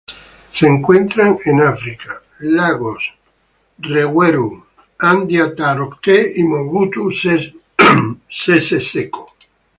Se encuentran en África: Lagos Edward, George y Albert.